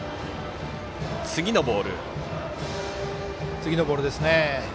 次のボールですね。